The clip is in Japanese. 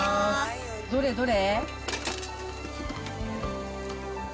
どれどれ？